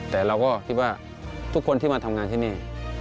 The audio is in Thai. แต่เราก็คิดว่าทุกคนที่มาทำงานที่นี่